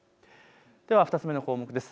２つ目の項目です。